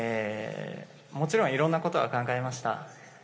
もちろん、いろんなことは考えました。